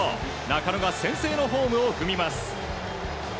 中野が先制のホームを踏みます。